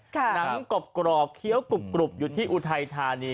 หนังกรอบเคี้ยวกรุบอยู่ที่อุทัยธานี